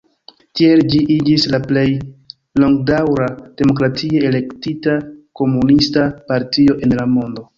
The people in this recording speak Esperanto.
Tiel ĝi iĝis la plej longdaŭra demokratie elektita komunista partio en la mondo.